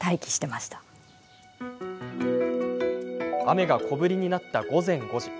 雨が小降りになった午前５時。